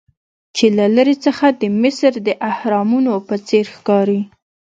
چې له لرې څخه د مصر د اهرامونو په څیر ښکاري.